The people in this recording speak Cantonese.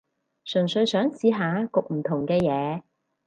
純粹想試下焗唔同嘅嘢